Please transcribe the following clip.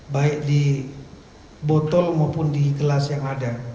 baik di botol maupun di gelas yang ada